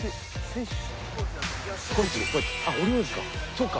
そうか。